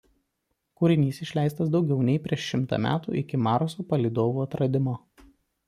Kūrinys išleistas daugiau nei prieš šimtą metų iki Marso palydovų atradimo.